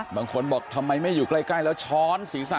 บางคนบอกทำไมไม่อยู่ใกล้แล้วช้อนศีรษะ